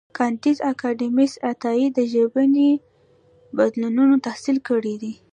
کانديد اکاډميسن عطایي د ژبني بدلونونو تحلیل کړی دی.